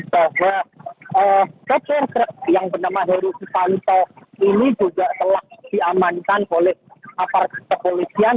truk yang bernama herusi panto ini juga telah diamankan oleh apartemen kepolisian